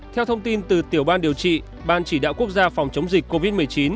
theo thông tin từ tiểu ban điều trị ban chỉ đạo quốc gia phòng chống dịch covid một mươi chín